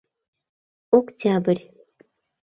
«Октябрь.